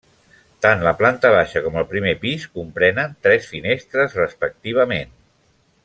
Tant la planta baixa com el primer pis comprenen tres finestres respectivament.